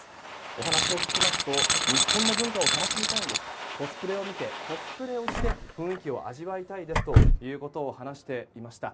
お話を聞きますと日本の文化を楽しみたいんですとコスプレを見て、コスプレをして雰囲気を味わいたいですということを話していました。